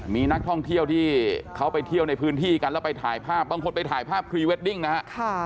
มีนักท่องเที่ยวที่เขาไปเที่ยวในพื้นที่กันแล้วไปถ่ายภาพบางคนไปถ่ายภาพพรีเวดดิ้งนะฮะ